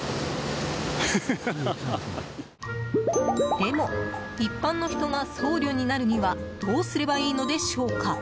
でも一般の人が僧侶になるにはどうすればいいのでしょうか。